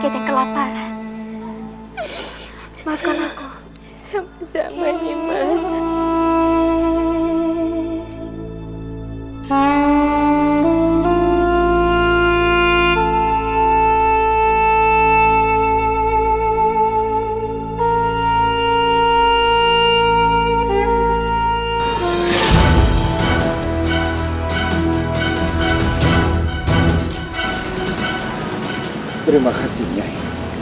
terima kasih nyai